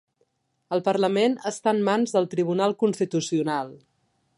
El parlament està en mans del Tribunal Constitucional